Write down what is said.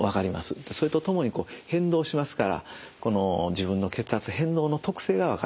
それとともに変動しますからこの自分の血圧変動の特性が分かるんですね。